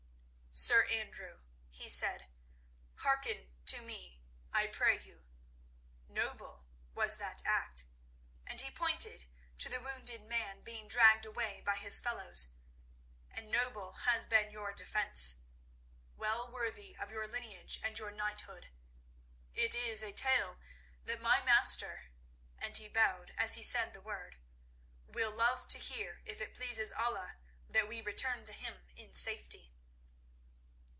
"Sir Andrew," he said, "hearken to me, I pray you. Noble was that act," and he pointed to the wounded man being dragged away by his fellows, "and noble has been your defence—well worthy of your lineage and your knighthood. It is a tale that my master," and he bowed as he said the word, "will love to hear if it pleases Allah that we return to him in safety.